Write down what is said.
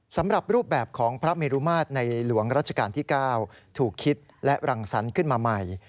สำหรับรูปแบบของพระเมรุมาตรในหลวงรัชกาลที่๙ถูกคิดและรังสรรค์ขึ้นมาใหม่